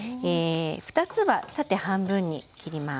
２つは縦半分に切ります。